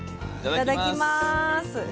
いただきます。